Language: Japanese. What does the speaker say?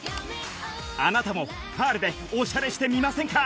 あなたもパールでオシャレしてみませんか？